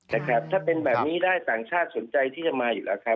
หากเป็นแบบนี้ได้ต่างชาติสนใจที่จะมาอยู่แล้ว